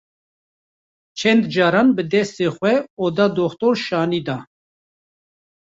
Çend caran bi destên xwe oda diktor şanî da.